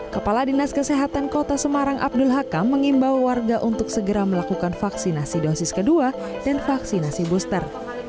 kepala dinas kesehatan kota semarang abdul hakam mengimbau warga untuk segera melakukan vaksinasi dosis kedua dan vaksinasi booster